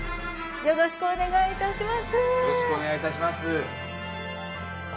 よろしくお願いします。